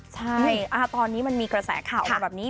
ใช่ตอนนี้มันมีกระแสข่าวออกมาแบบนี้